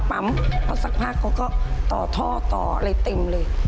ปั๊มพอสักพักเขาก็ต่อท่อต่ออะไรเต็มเลย